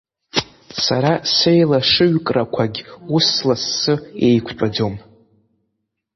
Сара сеилашыҩкрақәагь ус лассы еиқәтәаӡом…